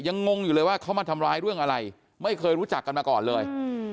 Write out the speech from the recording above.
งงอยู่เลยว่าเขามาทำร้ายเรื่องอะไรไม่เคยรู้จักกันมาก่อนเลย